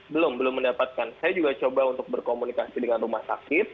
belum belum mendapatkan saya juga coba untuk berkomunikasi dengan rumah sakit